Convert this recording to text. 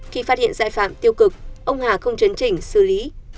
khi phát hiện giải phạm tiêu cực ông hà không chấn chỉnh xử lý